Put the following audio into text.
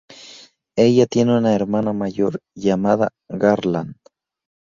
Ella tiene una hermana mayor llamada Garland.